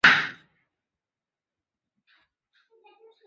许仕仁是香港赛马会会员等。